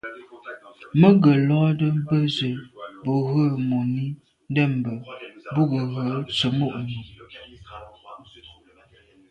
Mə́ ngə́ lódə́ bə̄ zə̄ bū rə̂ mùní ndɛ̂mbə́ bú gə̀ rə̌ tsə̀mô' nù.